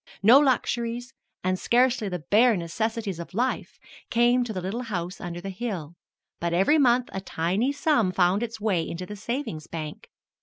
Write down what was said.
No luxuries and scarcely the bare necessities of life came to the little house under the hill, but every month a tiny sum found its way into the savings bank.